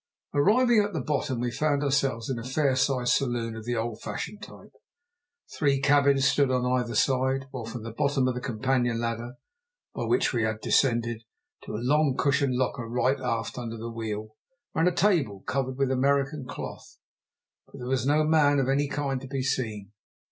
Arriving at the bottom we found ourselves in a fair sized saloon of the old fashioned type. Three cabins stood on either side, while from the bottom of the companion ladder, by which we had descended, to a long cushioned locker right aft under the wheel, ran a table covered with American cloth. But there was no man of any kind to be seen.